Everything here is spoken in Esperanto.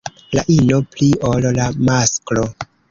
La ino pli ol la masklo.